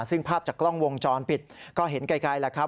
ซึ่งภาพจากกล้องวงจรปิดก็เห็นไกลแล้วครับ